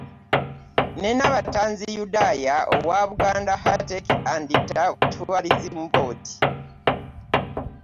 Ne Nabatanzi Yudayah owa Buganda Heritage and Tourism Board